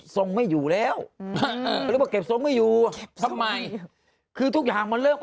ตอนที่ผมไปเจอเขาเนี่ย